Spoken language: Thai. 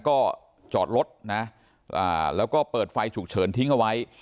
ก็จอดรถนะแล้วก็เปิดไฟฉุกเฉินทิ้งเอาไว้